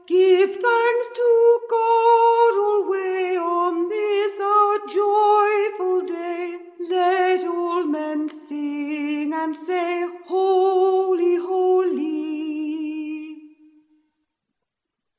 Give thanks to God alway On this our joyful day: Let all men sing and say, Holy, Holy!"